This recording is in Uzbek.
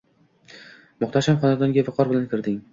…Muhtasham xonaga viqor bilan kirding.